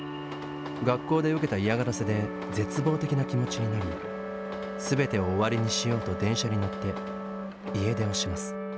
学校で受けた嫌がらせで絶望的な気持ちになり全てを終わりにしようと電車に乗って家出をします。